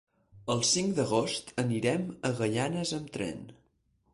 El cinc d'agost anirem a Gaianes amb tren.